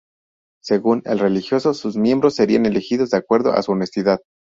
Según el religioso, sus miembros serían elegidos de acuerdo a su "honestidad".